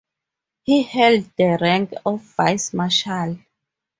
He held the rank of Vice Marshal.